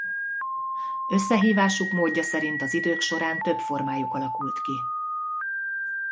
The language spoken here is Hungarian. Összehívásuk módja szerint az idők során több formájuk alakult ki.